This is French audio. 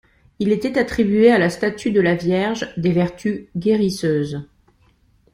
Il était attribué à la statue de la Vierge des vertus guérisseuses.